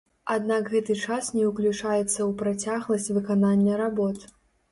Аднак гэты час не ўключаецца ў працягласць выканання работ.